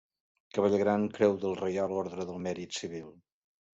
Cavaller Gran Creu de la Reial Orde del Mèrit Civil.